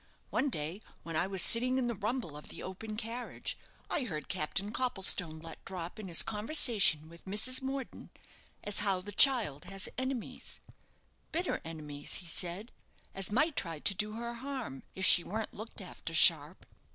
One day, when I was sitting in the rumble of the open carriage, I heard Captain Copplestone let drop in his conversation with Mrs. Morden as how the child has enemies bitter enemies, he said, as might try to do her harm, if she wern't looked after sharp."